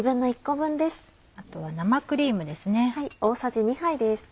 あとは生クリームです。